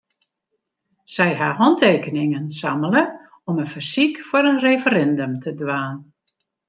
Sy ha hantekeningen sammele om in fersyk foar in referindum te dwaan.